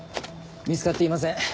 見つかっていません。